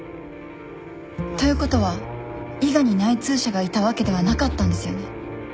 ということは伊賀に内通者がいたわけではなかったんですよね？